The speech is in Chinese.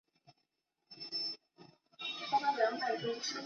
海州区是中国江苏省连云港市所辖的一个市辖区。